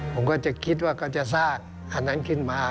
ผมก็คิดว่าก็จะสร้างอันนั้นขึ้นมา